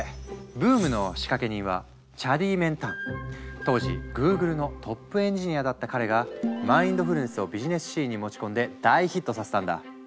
ブームの仕掛け人は当時グーグルのトップエンジニアだった彼がマインドフルネスをビジネスシーンに持ち込んで大ヒットさせたんだ。